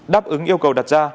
đáp ứng yêu cầu đặt ra